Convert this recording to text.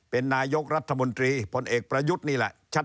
เป็นนายกรัฐมนตรีพลเอกประยุทธ์นี่แหละชัด